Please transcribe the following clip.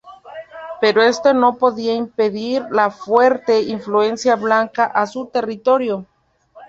Pero esto no podía impedir la fuerte afluencia blanca a su territorio.